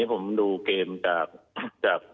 ผมดูเกมจาก